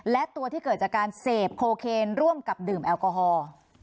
และตัวที่เกิดจากการเสพโคเคนร่วมกับดื่มแอลกอฮอล์